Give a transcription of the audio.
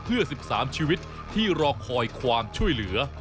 เพื่อ๑๓ชีวิตที่รอคอยความช่วยเหลือ